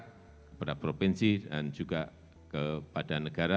kepada provinsi dan juga kepada negara